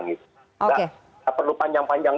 tidak perlu panjang panjang